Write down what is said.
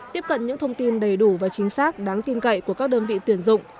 tiếp cận những thông tin đầy đủ và chính xác đáng tin cậy của các đơn vị tuyển dụng